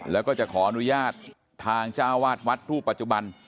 แล้วก็จะขออนุญาตทางเจ้าวาดวัดรูปปัจจุบัน